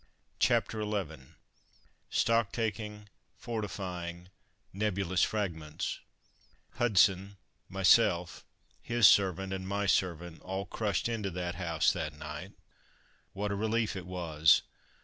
CHAPTER XI STOCKTAKING FORTIFYING NEBULOUS FRAGMENTS Hudson, myself, his servant and my servant, all crushed into that house that night. What a relief it was!